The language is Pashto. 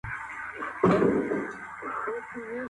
موږ يو وجود يو.